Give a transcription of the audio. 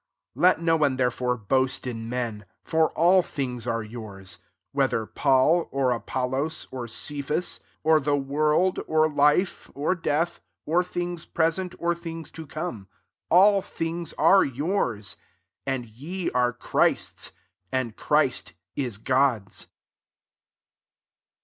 '' £1 Let ne one, therefore, toast in men: for all things ife yours : 22 whether Paul, or \pollos, or Cephas,* or the nrorld, or life, or death, or things present, or things to come; all things [are'] yoiirs: 23 and ye afe Christ's; and Christ is God's.